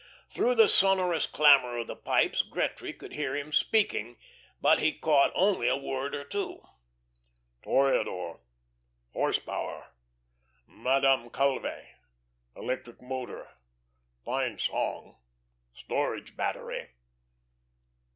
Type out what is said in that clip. Through the sonorous clamour of the pipes Gretry could hear him speaking, but he caught only a word or two. "Toreador ... horse power ... Madame Calve ... electric motor ... fine song ... storage battery."